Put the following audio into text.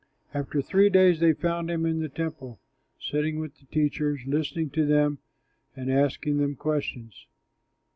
After three days they found him in the Temple, sitting with the teachers, listening to them and asking them questions.